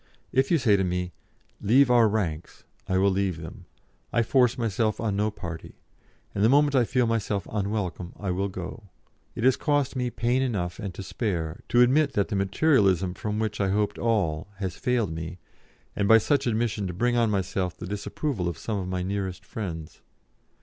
If you say to me, 'Leave our ranks,' I will leave them; I force myself on no party, and the moment I feel myself unwelcome I will go. It has cost me pain enough and to spare to admit that the Materialism from which I hoped all has failed me, and by such admission to bring on myself the disapproval of some of my nearest friends.